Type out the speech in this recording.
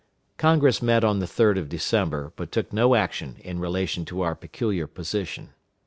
Congress met on the 3d of December, but took no action in relation to our peculiar position.